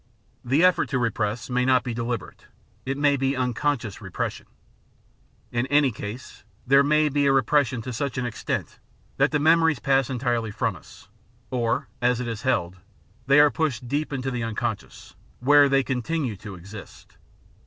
The effort to repress may not be deliberate, it may be unconscious repression. In any case there may be a repression to such an extent that the memories pass entirely from us, or as it is held, they are pushed deep into the imconscious, where they continue to exist.